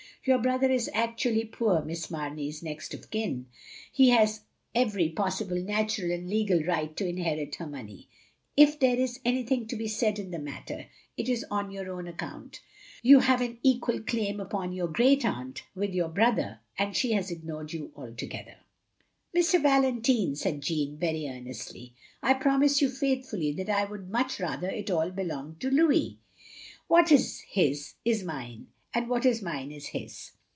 Your brother is actually poor Miss Mamey's next of kin : he has every possible natural and legal right to inherit her money. If there is an5rthing to be said in the matter, it is on your own accotmt. You have an equal claim upon your great aunt, with your brother, and she has ignored you altogether." "Mr. Valentine," said Jeanne, very earnestly, "I promise you faithfully that I would much rather it all belonged to Louis. What is his is mine, and what is mine is his.